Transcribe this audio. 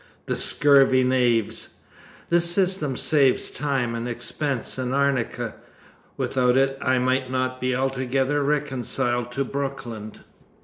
The scurvy knaves! The system saves time and expense and arnica. Without it I might not be altogether reconciled to Brooklyn.